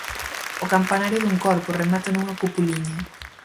O campanario dun corpo, remata nunha cupuliña.